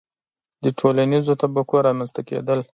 • د ټولنیزو طبقو رامنځته کېدل.